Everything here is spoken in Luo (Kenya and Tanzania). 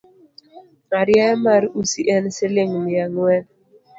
Arieya mar usi en siling’ mia ang’wen